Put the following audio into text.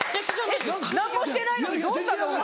何もしてないのに「どうしたんだ？お前」。